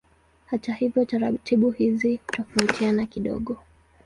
Hata hivyo taratibu hizi hutofautiana kidogo.